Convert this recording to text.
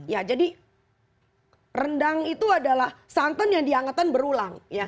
ya jadi rendang itu adalah santan yang diangetan berulang